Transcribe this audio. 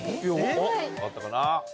分かったかな？